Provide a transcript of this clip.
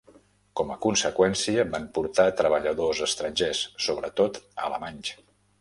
Com a conseqüència, van portar treballadors estrangers, sobretot alemanys.